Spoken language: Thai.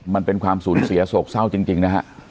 มันเป็นความสูญเสียโศกเศร้าจริงนะฮะ